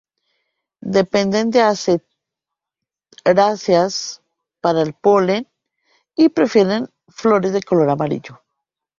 Dependen de asteráceas para el polen y prefieren flores de color amarillo.